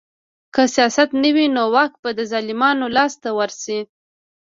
که سیاست نه وي نو واک به د ظالمانو لاس ته ورشي